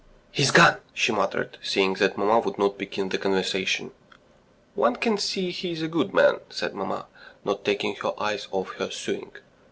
"He's gone," she muttered, seeing that mamma would not begin the conversation. "One can see he is a good man," said mamma, not taking her eyes off her sewing.